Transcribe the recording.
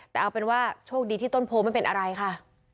แต่เอาเป็นว่าโชคดีที่ต้นโพไม่เป็นอะไรค่ะ